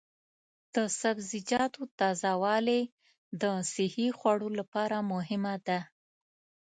د سبزیجاتو تازه والي د صحي خوړو لپاره مهمه ده.